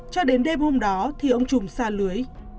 cho đến đêm hôm đó thì ông trùng xa lưới